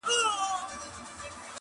شپه ده د بوډیو په سینګار اعتبار مه کوه!